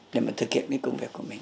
để mà thực hiện cái công việc của mình